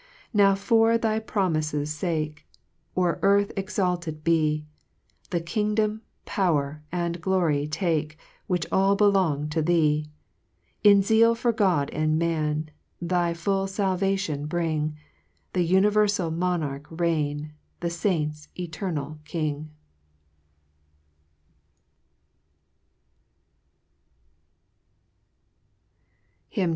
5 Now for thy promife' fake, O'er earth exalted be; The kingdom, power, and glory take, Which all belong to thee ! In zeal for God and man, Thy full falvation bring ! The univerfal Monarch reign, The faint's eternal King